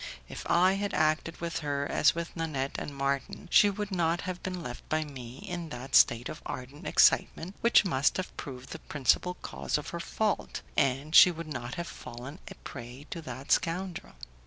If I had acted with her as with Nanette and Marton, she would not have been left by me in that state of ardent excitement which must have proved the principal cause of her fault, and she would not have fallen a prey to that scoundrel.